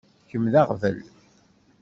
Kemm d aɣbel.